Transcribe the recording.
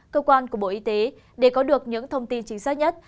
cơ quan của bộ y tế để có được những thông tin chính xác nhất